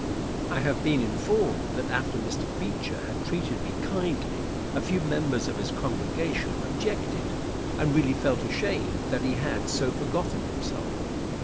I have been informed that after Mr. Beecher had treated me kindly a few members of his congregation objected, and really felt ashamed that he had so forgotten himself.